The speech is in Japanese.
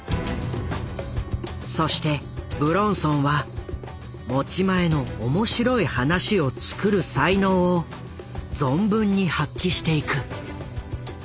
そして武論尊は持ち前の「面白い話を作る」才能を存分に発揮していく。